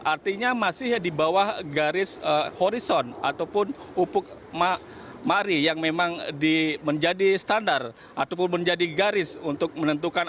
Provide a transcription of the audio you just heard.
artinya masih di bawah garis horizon ataupun upuk mari yang memang menjadi standar ataupun menjadi garis untuk menentukan